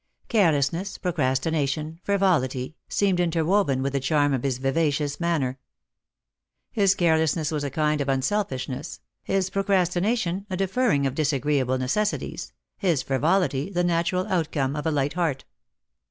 Carelessness, procrastination, frivolity, seemed interwoven with the charm of his vivacious manner. His carelessness was a kind of unselfishness, his procrastination a deferring of disagreeable necessities, his frivolity the natural outcome of a light heart.